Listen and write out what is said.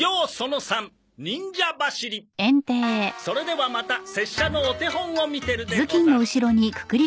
それではまた拙者のお手本を見てるでござる。